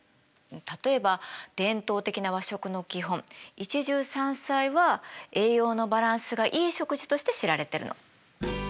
例えば伝統的な和食の基本一汁三菜は栄養のバランスがいい食事として知られてるの。